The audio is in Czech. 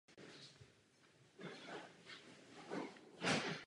Účast byla umožněna i hendikepovým osobám.